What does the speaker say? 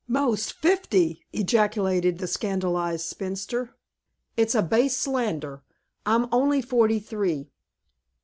"Most fifty!" ejaculated the scandalized spinster. "It's a base slander. I'm only forty three."